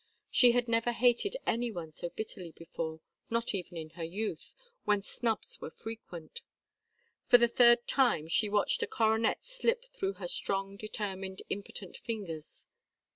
She had never hated any one so bitterly before, not even in her youth, when snubs were frequent. For the third time she watched a coronet slip through her strong determined impotent fingers.